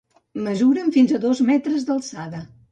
Mesuren fins a dos metres d'alçada.